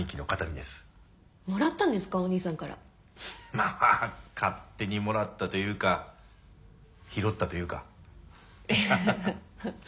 まあ勝手にもらったというか拾ったというかハハハハ。